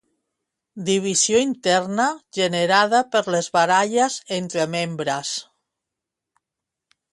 Divisió interna generada per les baralles entre membres.